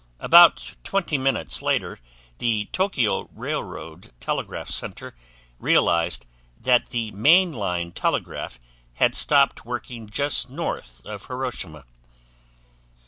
About twenty minutes later the Tokyo railroad telegraph center realized that the main line telegraph had stopped working just north of Hiroshima.